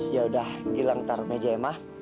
yaudah gilang taruh meja ya ma